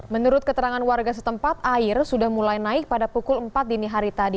menurut keterangan warga setempat air sudah mulai naik pada pukul empat dini hari tadi